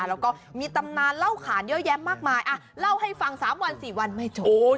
แล้วก็มีตำนานเล่าขานเยอะแยะมากมายเล่าให้ฟัง๓วัน๔วันไม่จบ